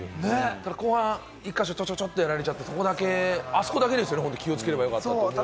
ただ後半１か所、ちょちょちょっとやられちゃって、あそこだけですよね、気をつければよかったのは。